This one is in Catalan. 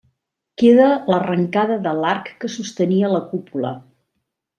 Queda l'arrencada de l'arc que sostenia la cúpula.